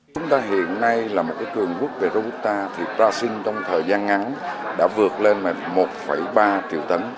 chúng ta hiện nay là một cái trường quốc về râu ta thì trà sinh trong thời gian ngắn đã vượt lên một ba triệu tấn